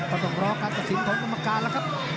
ไม่ต้องรอกับสินทรงทมการล่ะครับ